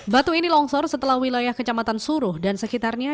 batu ini longsor setelah wilayah kecamatan surabaya kamping trenggalek dan kamping trenggalek